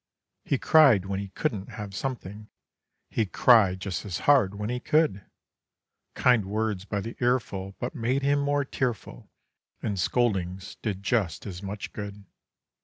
He cried when he couldn't have something; He cried just as hard when he could; Kind words by the earful but made him more tearful, And scoldings did just as much good.